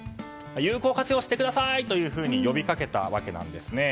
有効活用してくださいと呼びかけたわけなんですね。